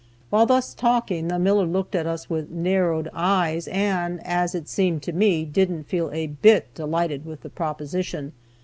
While thus talking, the miller looked at us with "narrowed eyes," and, as it seemed to me, didn't feel a bit delighted with the proposition.